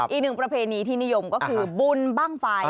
อีกหนึ่งประเพณีที่นิยมก็คือบุญบ้างไฟ